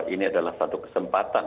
ini adalah satu kesempatan